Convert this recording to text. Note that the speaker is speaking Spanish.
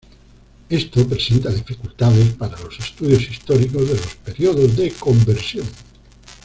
Esto presenta dificultades para los estudios históricos de los períodos de conversión.